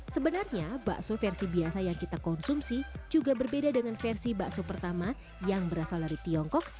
sebenarnya bakso versi biasa yang kita konsumsi juga berbeda dengan versi bakso pertama yang berasal dari tiongkok